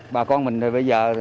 bà con mình thì bây giờ